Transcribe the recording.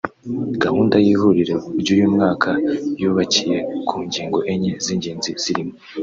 Gahunda y’ihuriro ry’uyu mwaka yubakiye ku ngingo enye z’ingengi zirimo